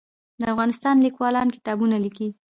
د افغانستان لیکوالان کتابونه لیکي